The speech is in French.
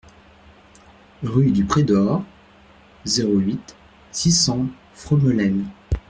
Rue du Pré d'Haurs, zéro huit, six cents Fromelennes